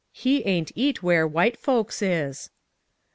He aint eat wher' White folks is!"